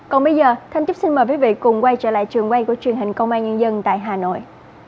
còn bây giờ thanh trúc xin mời quý vị cùng quay trở lại trường quay của truyền hình công an nhân dân tại hà nội